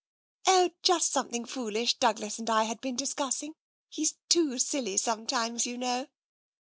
" Oh, just something foolish Douglas and I had been discussing. He's too silly sometimes, you know."